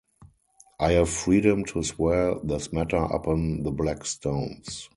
I have freedom to swear this matter upon the black stones.